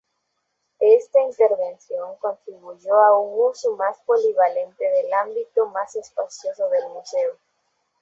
Esta intervención contribuyó a un uso más polivalente del ámbito más espacioso del museo.